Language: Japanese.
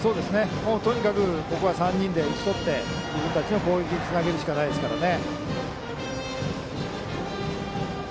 とにかくここは３人で打ち取り自分たちの攻撃につなげるしかないですね。